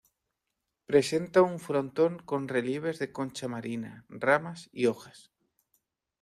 Presenta un frontón con relieves de concha marina, ramas y hojas.